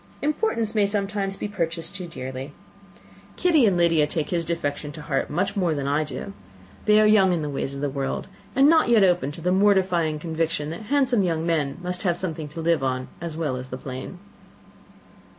Importance may sometimes be purchased too dearly. Kitty and Lydia take his defection much more to heart than I do. They are young in the ways of the world, and not yet open to the mortifying conviction that handsome young men must have something to live on as well as the plain."